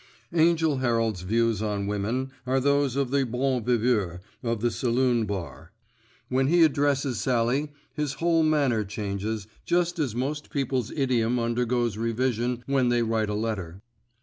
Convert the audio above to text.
Angell Herald's views on women are those of the bon viveur of the saloon bar. When he addresses Sallie his whole manner changes, just as most people's idiom undergoes revision when they write a letter.